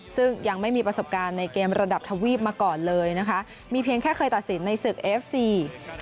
ซึ่งยังไม่มีประสบการณ์ในเกมระดับทวีปมาก่อนเลยนะคะมีเพียงแค่เคยตัดสินในศึกเอฟซี